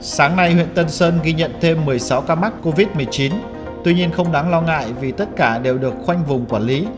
sáng nay huyện tân sơn ghi nhận thêm một mươi sáu ca mắc covid một mươi chín tuy nhiên không đáng lo ngại vì tất cả đều được khoanh vùng quản lý